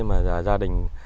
mà gia đình